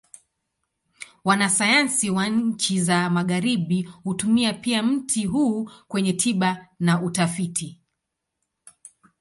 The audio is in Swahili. Wanasayansi wa nchi za Magharibi hutumia pia mti huu kwenye tiba na utafiti.